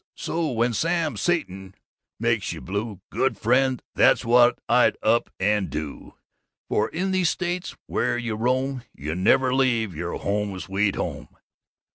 So when Sam Satan makes you blue, good friend, that's what I'd up and do, for in these States where'er you roam, you never leave your home sweet home.